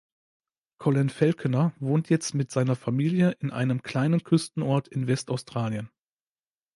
Colin Falconer wohnt jetzt mit seiner Familie in einem kleinen Küstenort in West-Australien.